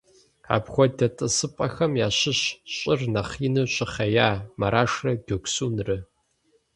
Апхуэдэ тӀысыпӀэхэм ящыщщ щӀыр нэхъ ину щыхъея Марашрэ Гёксунрэ.